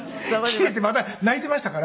キレてまた泣いていましたから。